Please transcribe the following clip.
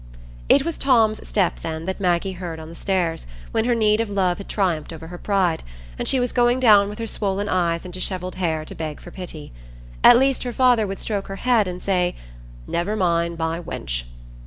It was Tom's step, then, that Maggie heard on the stairs, when her need of love had triumphed over her pride, and she was going down with her swollen eyes and dishevelled hair to beg for pity. At least her father would stroke her head and say, "Never mind, my wench."